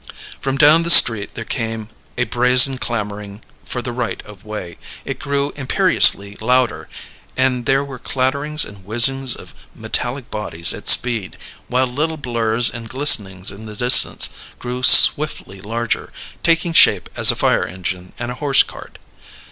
From down the street there came a brazen clamouring for the right of way; it grew imperiously louder, and there were clatterings and whizzings of metallic bodies at speed, while little blurs and glistenings in the distance grew swiftly larger, taking shape as a fire engine and a hose cart.